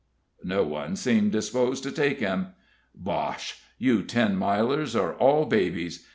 No one seemed disposed to take him. "Bosh! you Ten Milers are all babies.